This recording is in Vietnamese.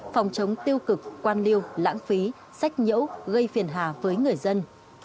phòng chống tiêu cực quan liêu lãng phí sách nhiễu gây phiền hà với người dân